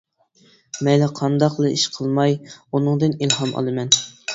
مەيلى قانداقلا ئىش قىلماي، ئۇنىڭدىن ئىلھام ئالىمەن.